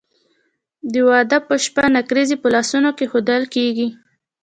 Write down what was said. د واده په شپه نکریزې په لاسونو کیښودل کیږي.